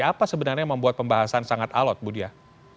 apa sebenarnya membuat pembahasan sangat alat ibu diah